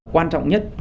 quan trọng nhất